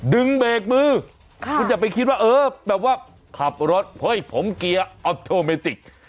เบรกมือคุณอย่าไปคิดว่าเออแบบว่าขับรถเฮ้ยผมเกียร์ออฟโทเมติก